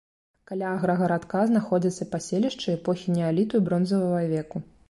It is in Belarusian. Каля аграгарадка знаходзяцца паселішчы эпохі неаліту і бронзавага веку.